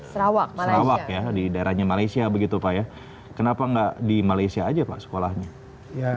sarawak sarawak ya di daerahnya malaysia begitu pak ya kenapa enggak di malaysia aja pak sekolahnya ya